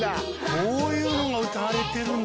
こういうのが歌われてるんだ。